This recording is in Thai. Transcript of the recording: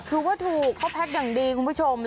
คือว่าถูกเขาแพ็คอย่างดีคุณผู้ชม